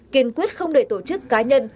kiên quyết không để tổ chức cá nhân